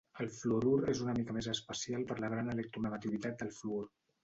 El fluorur és una mica més especial per la gran electronegativitat del fluor.